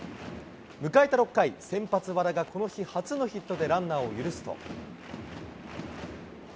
迎えた６回、先発、和田がこの日、初のヒットでランナーを許すと。